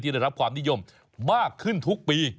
ได้รับความนิยมมากขึ้นทุกปี